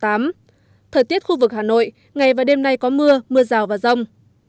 thời tiết khu vực hà nội ngày và đêm nay có mưa mưa rào và rông